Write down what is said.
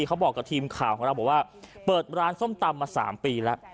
เขาบอกกับทีมข่าวของเราบอกว่าเปิดร้านส้มตำมา๓ปีแล้ว